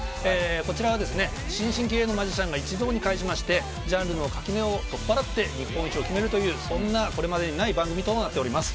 こちらは新進気鋭のマジシャンが一堂に会しましてジャンルの垣根を取っ払って日本一を決めるというそんな、これまでにない番組となっております。